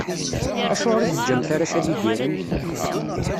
Acuɣer i teǧǧamt arrac ad idiren?